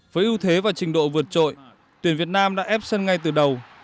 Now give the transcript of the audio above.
với ưu thế và trình độ vượt trội tuyển việt nam đã ép sân ngay từ đầu